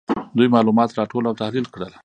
دوی معلومات راټول او تحلیل کړل.